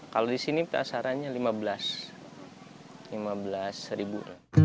kalau di sini pasarannya lima belas ribu